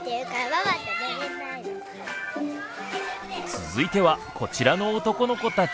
続いてはこちらの男の子たち。